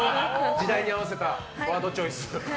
時代に合わせたワードチョイス。